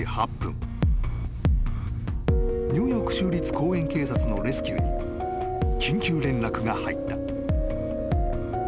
［ニューヨーク州立公園警察のレスキューに緊急連絡が入った］